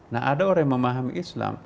nah ada orang yang memahami islam